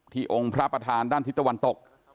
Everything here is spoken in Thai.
องค์พระประธานด้านทิศตะวันตก